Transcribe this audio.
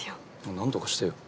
何とかしてよ。